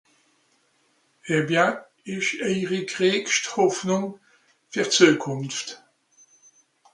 eh bien esch eijeri greigscht Hòffnùng ver Zuekùnft ?